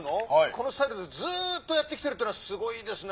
「このスタイルでずっとやってきてるっていうのはすごいですね」。